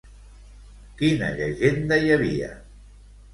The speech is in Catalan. Quina llegenda hi havia?